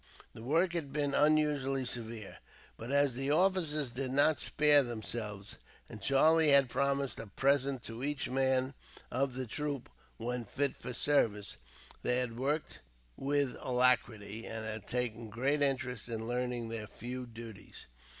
The work had been unusually severe, but as the officers did not spare themselves, and Charlie had promised a present to each man of the troop, when fit for service, they had worked with alacrity, and had taken great interest in learning their new duties.